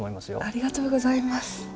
ありがとうございます。